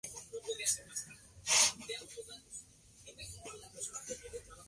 Tampoco existen estudios a profundidad sobre la fauna del Parque.